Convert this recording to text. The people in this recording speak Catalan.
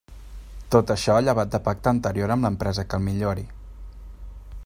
Tot això llevat de pacte anterior amb l'empresa que el millori.